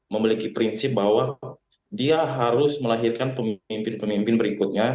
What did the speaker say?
memiliki prinsip bahwa dia harus melahirkan pemimpin pemimpin berikutnya